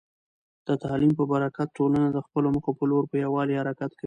د تعلیم په برکت، ټولنه د خپلو موخو په لور په یووالي حرکت کوي.